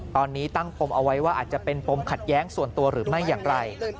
ตอนนี้ตั้งปมเอาไว้ว่าอาจจะเป็นปมขัดแย้งส่วนตัวหรือไม่อย่างไร